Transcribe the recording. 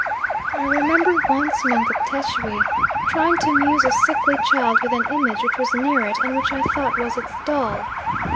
I remember once among the Tschwi trying to amuse a sickly child with an image which was near it and which I thought was its doll.